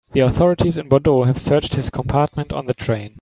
The authorities in Bordeaux have searched his compartment on the train.